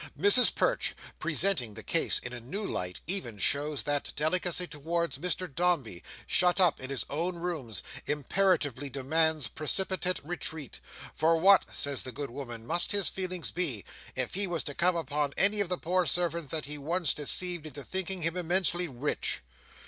Mrs Perch, presenting the case in a new light, even shows that delicacy towards Mr Dombey, shut up in his own rooms, imperatively demands precipitate retreat. "For what," says the good woman, "must his feelings be, if he was to come upon any of the poor servants that he once deceived into thinking him immensely rich!"